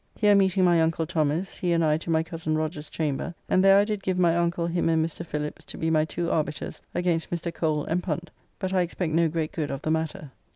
Here meeting my uncle Thomas, he and I to my cozen Roger's chamber, and there I did give my uncle him and Mr. Philips to be my two arbiters against Mr. Cole and Punt, but I expect no great good of the matter.